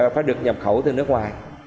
phải được nhập khẩu từ nước ngoài